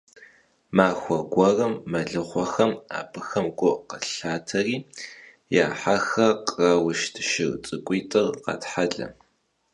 Махуэ гуэрым мэлыхъуэхэм абыхэм гу къылъатэри, я хьэхэр къраушт, шыр цӀыкӀуитӀыр къатхьэлэ.